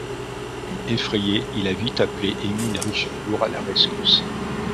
Effrayé, il a vite appelé Émile Richebourg à la rescousse.